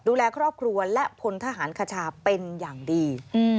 ดูแลครอบครัวและพลทหารคชาเป็นอย่างดี